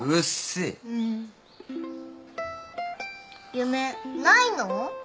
夢ないの？